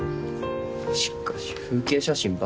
しかし風景写真ばっか。